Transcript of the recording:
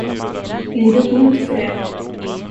Blir du ond för det?